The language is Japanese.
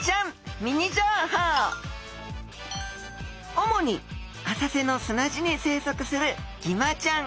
主に浅瀬の砂地に生息するギマちゃん。